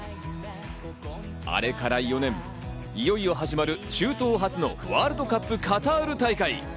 あれから４年、いよいよ始まる中東初のワールドカップ・カタール大会。